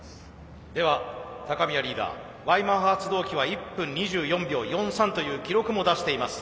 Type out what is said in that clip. では高宮リーダーＹマハ発動機は１分２４秒４３という記録も出しています。